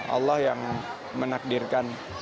allah yang menakdirkan